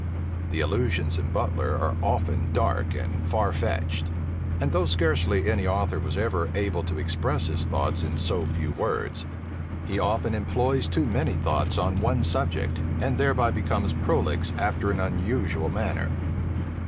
The allusions in Butler are often dark and far fetched; and though scarcely any author was ever able to express his thoughts in so few words, he often employs too many thoughts on one subject, and thereby becomes prolix after an unusual manner.